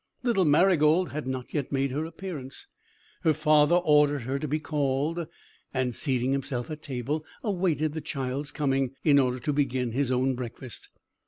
Little Marygold had not yet made her appearance. Her father ordered her to be called, and, seating himself at table, awaited the child's coming, in order to begin his own breakfast.